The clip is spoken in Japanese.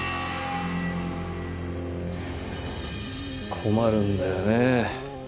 困るんだよね。